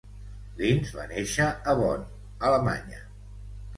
Linz va néixer a Bonn, Alemanya.